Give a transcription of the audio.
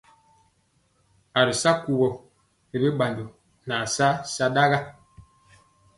A ri sa kuwɔ ri bi ɓanjɔ nɛ a sa sataga.